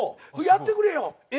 やってくれよ！